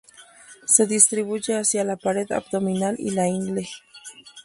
Se distribuye hacia la pared abdominal y la ingle.